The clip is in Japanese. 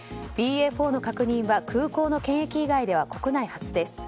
ＢＡ．４の確認は空港の検疫以外では国内初です。